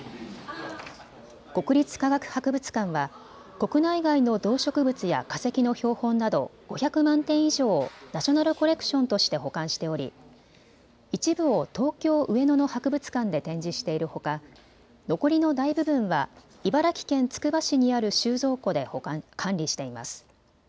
国立科学博物館は国内外の動植物や化石の標本など５００万点以上をナショナルコレクションとして保管しており一部を東京上野の博物館で展示しているほか残りの大部分は茨城県つくば市にある収蔵庫で管理しています。